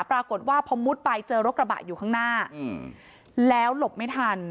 ปรากฏว่าพอมุดไปเจอรถกระบะอยู่ข้างหน้าแล้วหลบไม่ทัน